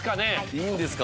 いいんですか？